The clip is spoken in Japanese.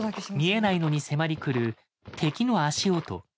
見えないのに迫り来る敵の足音。